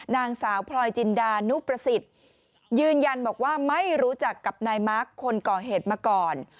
นางสาวพลอยจินดานุประสิทธิ์ยืนยันบอกว่าไม่รู้จักกับนายมาร์คคนก่อเหตุมาก่อน